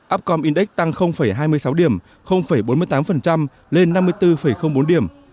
upcom index tăng hai mươi sáu điểm bốn mươi tám lên năm mươi bốn bốn điểm